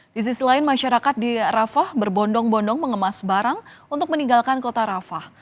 di sisi lain masyarakat di rafah berbondong bondong mengemas barang untuk meninggalkan kota rafah